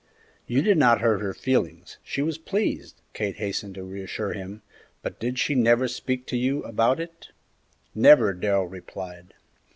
"You did not hurt her feelings she was pleased," Kate hastened to reassure him; "but did she never speak to you about it?" "Never," Darrell replied.